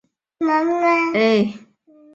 长冠鼠尾草为唇形科鼠尾草属的植物。